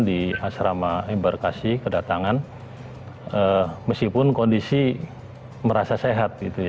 di asrama embarkasi kedatangan meskipun kondisi merasa sehat